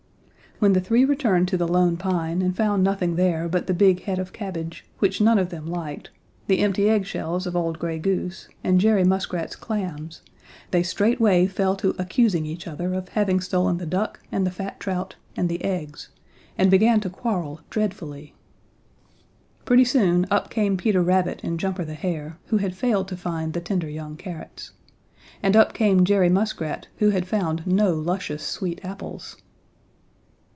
When the three returned to the Lone Pine and found nothing there but the big head of cabbage, which none of them liked, the empty egg shells of old Gray Goose and Jerry Muskrat's clams, they straightway fell to accusing each other of having stolen the duck and the fat trout and the eggs and began to quarrel dreadfully. Pretty soon up came Peter Rabbit and Jumper the Hare, who had failed to find the tender young carrots. And up came Jerry Muskrat, who had found no luscious sweet apples.